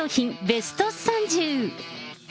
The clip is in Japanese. ベスト３０。